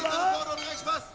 お願いします。